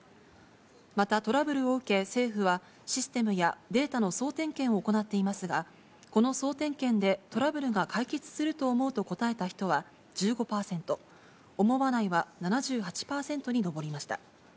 また、トラブルを受け、政府はシステムやデータの総点検を行っていますが、この総点検でトラブルが解決すると思うと答えた人は１５％、思わないは７８％に上りました。